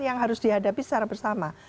yang harus dihadapi secara bersama